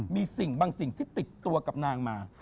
มีสิ่งบางสิ่งที่ติดตัวกับนางมา